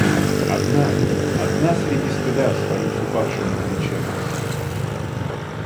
Одна, одна среди стыда Стою с упавшими плечами.